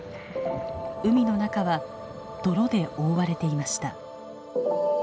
海の中は泥で覆われていました。